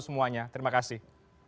semuanya terima kasih